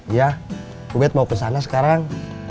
iya ubat mau kesana sekarang